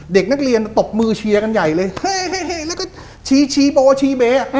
เด็กนักเรียนตบมือเชียร์กันใหญ่เลยแล้วก็ชีโบชีเบ๊